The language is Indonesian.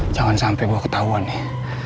jangan sampe gue ketauan nih